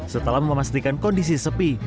setelah memastikan kondisi sepi